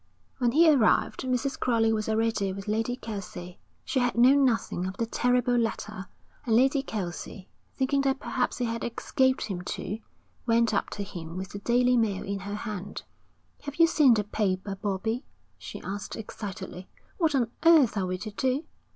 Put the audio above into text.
When he arrived, Mrs. Crowley was already with Lady Kelsey. She had known nothing of the terrible letter, and Lady Kelsey, thinking that perhaps it had escaped him too, went up to him with the Daily Mail in her hand. 'Have you seen the paper, Bobbie?' she asked excitedly. 'What on earth are we to do?'